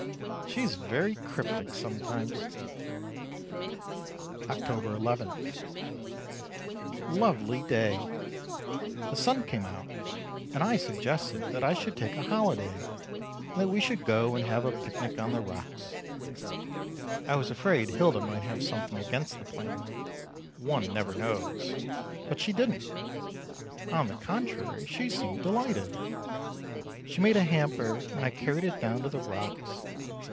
She is very cryptic sometimes. October 11. Lovely day. The sun came out and I suggested that I should take a holiday, and that we should go and have a picnic on the rocks. I was afraid Hilda might have something against the plan one never knows. But she didn't. On the contrary she seemed delighted. She made a hamper and I carried it down to the rocks.